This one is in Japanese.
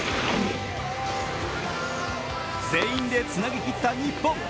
全員でつなぎきった日本。